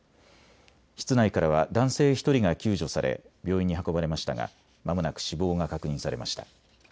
室内からは男性１人が救助され病院に運ばれましたがまもなく死亡が確認されました。